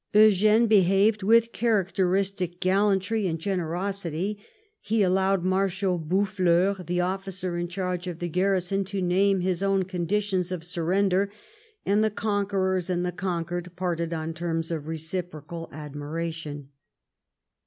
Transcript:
Eugene behaved with characteristic gallantry and generosity. He allowed Marshal Bouffleurs, the officer in command of the garrison, to name his own conditions of surrender, and the conquerors and the conquered parted on terms of reciprocal admiration.